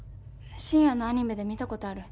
深夜のアニメで見た事ある。